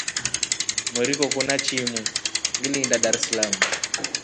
Mweri koko na chimu ngiliinda Darsalamu.